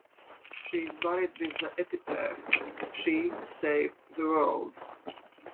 She is buried with the epitaph, She saved the world.